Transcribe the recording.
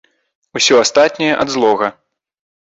Усё астатняе ад злога.